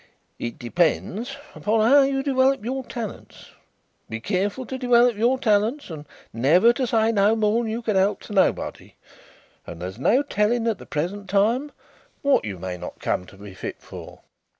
"It depends upon how you dewelop your talents. Be careful to dewelop your talents, and never to say no more than you can help to nobody, and there's no telling at the present time what you may not come to be fit for."